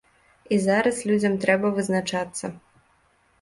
І зараз людзям трэба вызначацца.